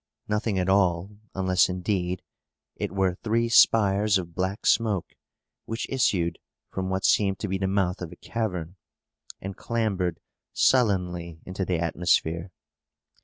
Nothing at all; unless, indeed, it were three spires of black smoke, which issued from what seemed to be the mouth of a cavern, and clambered sullenly into the atmosphere.